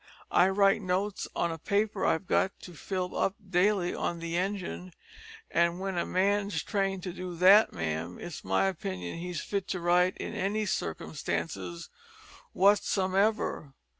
I write notes, on a paper I've got to fill up daily, on the engine; an' w'en a man's trained to do that, ma'am, it's my opinion he's fit to write in any circumstances whatsomedever.